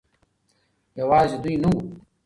يوازې دوي نه وو